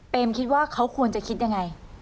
เป็นคิดว่าเขาควรจะคิดยังไง